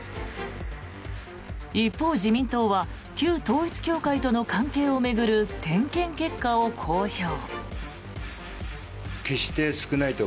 一方、自民党は旧統一教会との関係を巡る点検結果を公表。